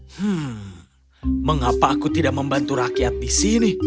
hmm mengapa aku tidak membantu rakyat di sini